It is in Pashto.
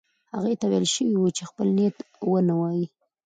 هغوی ته ویل شوي وو چې خپل نیت ونه وايي.